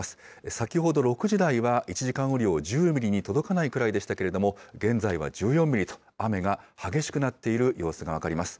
先ほど６時台は、１時間雨量、１０ミリに届かないくらいでしたけれども、現在は１４ミリと、雨が激しくなっている様子が分かります。